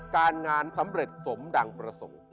การงานสำเร็จสมดังประสงค์